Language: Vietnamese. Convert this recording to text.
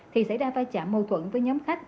thì xảy ra vai trạm mâu thuẫn với nhóm khách